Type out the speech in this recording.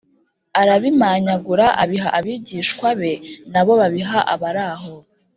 Arabimanyagura abiha abigishwa be na bo babiha abaraho